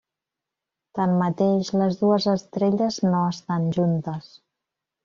Tanmateix, les dues estrelles no estan juntes.